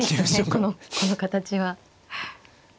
この形は。